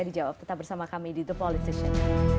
dijawab tetap bersama kami di the politician